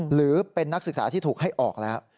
หรือเป็นนักศึกษาที่ถูกให้ออกแล้ว